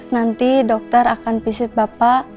nanti dokter akan visit bapak